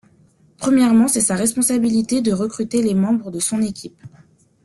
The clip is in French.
Premièrement, c’est sa responsabilité de recruter les membres de son équipe.